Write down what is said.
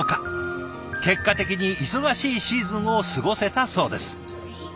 結果的に忙しいシーズンを過ごせたそうです。